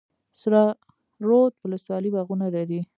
سره رود ولسوالۍ باغونه لري؟